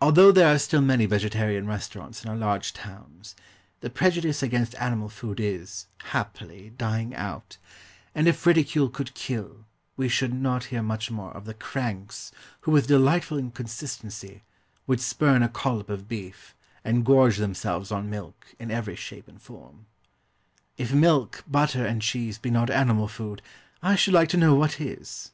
Although there are still many vegetarian restaurants in our large towns, the prejudice against animal food is, happily, dying out; and if ridicule could kill, we should not hear much more of the "cranks" who with delightful inconsistency, would spurn a collop of beef, and gorge themselves on milk, in every shape and form. If milk, butter, and cheese be not animal food I should like to know what is?